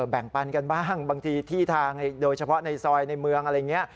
แบ่งปันกันบ้างบางทีที่ทางโดยเฉพาะในซอยในเมืองอะไรอย่างนี้